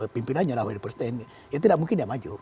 pimpinannya namanya presiden ya tidak mungkin dia maju